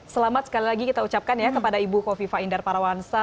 selamat sekali lagi kita ucapkan ya kepada ibu kofifa indar parawansa